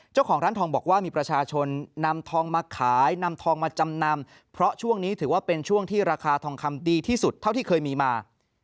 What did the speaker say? เจ้าของร้านทองบอกว่ามีประชาชนนำทองมาขายนำทองมาจำนำเพราะช่วงนี้ถือว่าเป็นช่วงที่ราคาทองคำดีที่สุดเท่าที่เคยมีมา